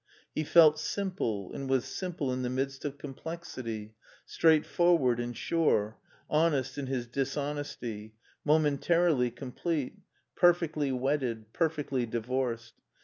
He felt simple, and was simple in the midst of complexity, straightforward and sure, honest in his dishonesty, momentarily com plete, perfectly wedded, perfectly divorced.